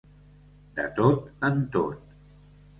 De tot en tot.